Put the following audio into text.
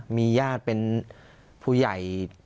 มีญาติเป็นผู้ใหญ่